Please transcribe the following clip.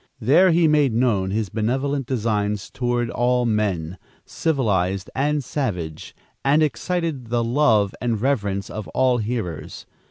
There he made known his benevolent designs toward all men, civilized and savage, and excited the love and reverence of all hearers.